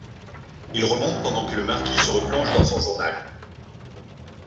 Il remonte pendant que le marquis se replonge dans son journal.